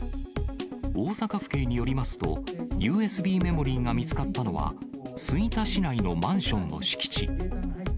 大阪府警によりますと、ＵＳＢメモリーが見つかったのは、吹田市内のマンションの敷地。